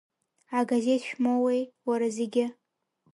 Агазеҭ шәмоуеи, уара зегьы?